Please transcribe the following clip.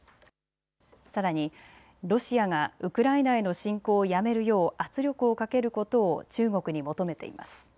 さらにロシアがウクライナへの侵攻をやめるよう圧力をかけることを中国に求めています。